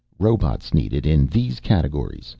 ROBOTS NEEDED IN THESE CATEGORIES.